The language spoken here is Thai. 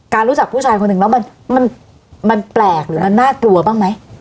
รู้จักผู้ชายคนหนึ่งแล้วมันแปลกหรือมันน่ากลัวบ้างไหม